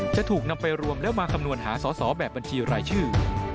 จะถูกนำไปรวมแล้วมาคำนวณหาสอสอแบบบัญชีรายชื่อ